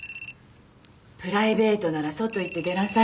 プライベートなら外行って出なさい。